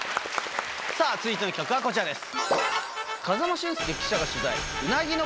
さぁ続いての企画はこちらです。